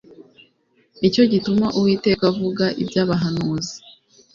ni cyo gituma uwiteka avuga iby'abahanuzi